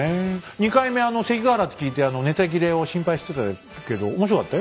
２回目関ヶ原って聞いてネタ切れを心配してたけど面白かったよ